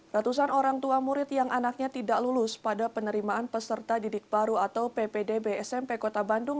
ratusan orang tua murid yang anaknya tidak lulus pada penerimaan peserta didik baru atau ppdb smp kota bandung